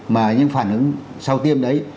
mà những phản ứng sau tiêm đấy